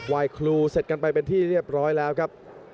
ครูเสร็จกันไปเป็นที่เรียบร้อยแล้วครับ